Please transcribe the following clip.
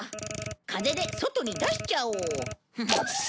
風で外に出しちゃおう！